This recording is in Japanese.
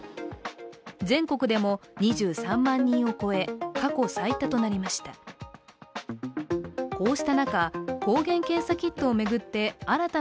全国でも２３万人を超え過去最多となりました。